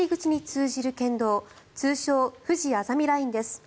通称・ふじあざみラインです。